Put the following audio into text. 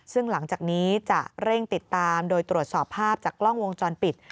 ซึ่งหลังจากนี้จะเร่งติดตามโดยตรวจสอบภาพจากกล้องวงจรปิด